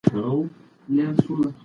صبر د ټولو ستونزو حل دی.